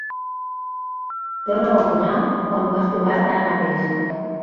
Torna-ho a posar on ho has trobat ara mateix.